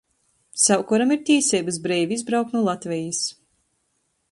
Sevkuram ir tīseibys breivi izbraukt nu Latvejis.